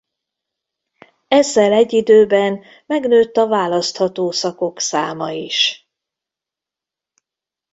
Ezzel egy időben megnőtt a választható szakok száma is.